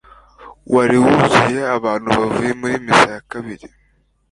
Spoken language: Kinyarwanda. wari wuzuye abantu bavuye muri misa ya kabiri.